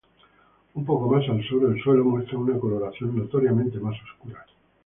Un poco más al sur, el suelo muestra una coloración notoriamente más oscura.